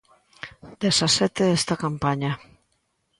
Dezasete esta campaña.